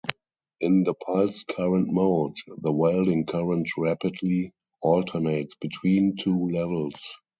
In the pulsed-current mode, the welding current rapidly alternates between two levels.